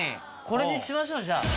これにしましょうじゃあ。